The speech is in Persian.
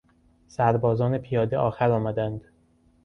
سربازان پیاده آخر آمدند.